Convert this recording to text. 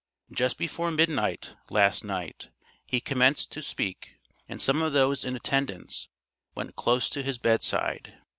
Just before midnight, last night, he commenced to speak, and some of those in attendance, went close to his bed side.